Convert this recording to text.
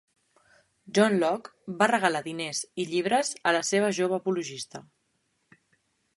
John Locke va regalar diners i llibres a la seva jove apologista.